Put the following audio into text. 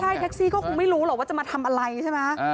ใช่แท็กซี่ก็คงไม่รู้หรอกว่าจะมาทำอะไรใช่ไหม